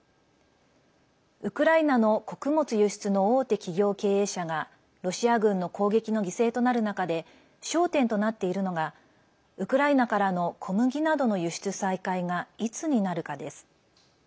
ウクライナの穀物輸出の大手企業経営者がロシア軍の攻撃の犠牲となる中で焦点となっているのがウクライナからの小麦などの輸出再開が、いつになるかです。